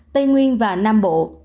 ba tây nguyên và nam bộ